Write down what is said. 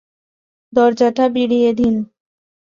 দরজাটা ভিজিয়ে দিন।